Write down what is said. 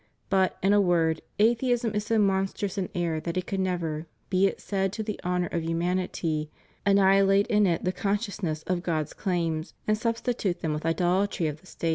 But, in a word, atheism is so monstrous an error that it could never, be it said to the honor of humanity, annihilate in it the consciousness of God's claims and substitute them with idolatry of the State.